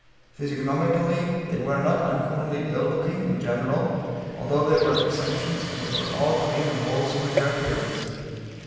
Physiognomically, they were not uncommonly ill looking, in general, although there were exceptions, and they were all clean and wholesome in their appearance.